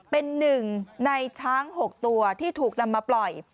เป็นหนึ่งในช้าง๖ตัวที่ถูกนำมาปล่อย